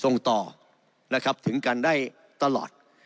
ส่งต่อนะครับถึงกันได้ตลอด